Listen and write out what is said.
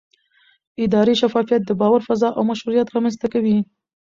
اداري شفافیت د باور فضا او مشروعیت رامنځته کوي